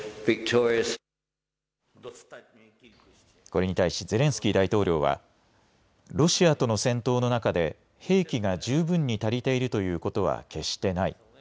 これに対しゼレンスキー大統領はロシアとの戦闘の中で兵器が十分に足りているということは決してない。